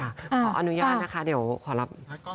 ขออนุญาตนะคะเดี๋ยวขอรับ